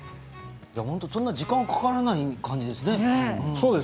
そんなに時間がかからない感じですね。